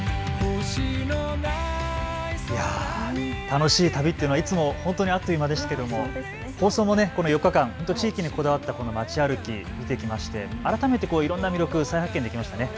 楽しい旅というのはいつもあっという間ですけど放送も４日間、地域にこだわった街歩き見てきまして改めていろんな魅力再発見できましたね。